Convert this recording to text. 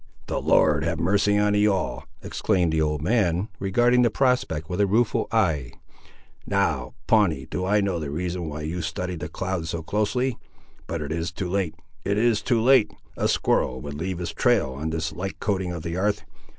"The Lord have mercy on ye all!" exclaimed the old man, regarding the prospect with a rueful eye; "now, Pawnee, do I know the reason why you studied the clouds so closely; but it is too late; it is too late! A squirrel would leave his trail on this light coating of the 'arth.